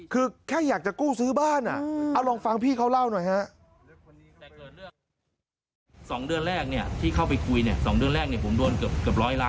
คือแค่อยากจะกู้ซื้อบ้านเอาลองฟังพี่เขาเล่าหน่อยฮะ